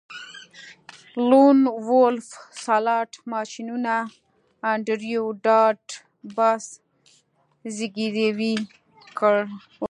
لون وولف سلاټ ماشینونه انډریو ډاټ باس زګیروی وکړ